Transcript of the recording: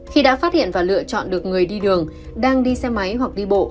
khi đã phát hiện và lựa chọn được người đi đường đang đi xe máy hoặc đi bộ